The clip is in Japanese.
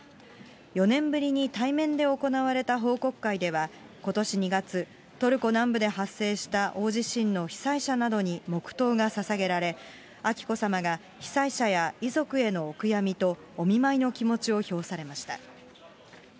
４年ぶりに対面で行われた報告会では、ことし２月、トルコ南部で発生した大地震の被災者などに黙とうがささげられ、彬子さまが被災者や遺族へのお悔やみとお見舞いの気持ちを表されました。